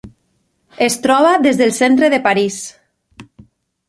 Es troba des del centre de París.